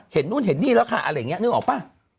เห็นนู่นเห็นนี่แล้วค่ะนึกออกป่ะ